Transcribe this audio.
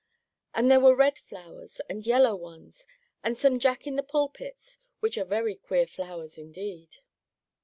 And there were red flowers and yellow ones, and some Jacks in their pulpits, which are very queer flowers indeed.